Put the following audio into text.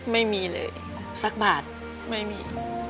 ไม่มีเลยสักบาทไม่มี